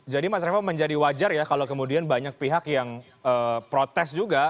jadi mas reva menjadi wajar ya kalau kemudian banyak pihak yang protes juga